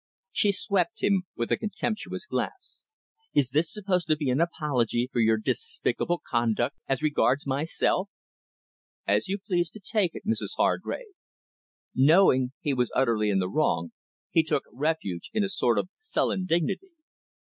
She swept him with a contemptuous glance. "Is this supposed to be an apology for your despicable conduct as regards myself?" "As you please to take it, Mrs Hargrave." Knowing he was utterly in the wrong, he took refuge in a sort of sullen dignity.